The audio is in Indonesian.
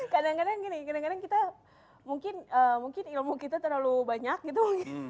kadang kadang gini kadang kadang kita mungkin ilmu kita terlalu banyak gitu